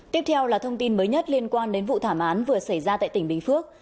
tiếp theo là thông tin mới nhất liên quan đến vụ thảm án vừa xảy ra tại tỉnh bình phước